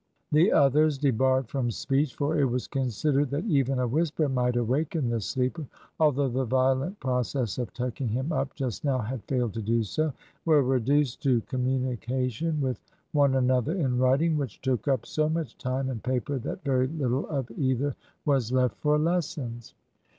The others, debarred from speech (for it was considered that even a whisper might awaken the sleeper, although the violent process of tucking him up just now had failed to do so), were reduced to communication with one another in writing, which took up so much time and paper that very little of either was left for lessons.